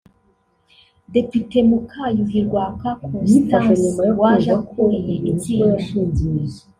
Depite Mukayuhi Rwaka Costance waje akuriye itsinda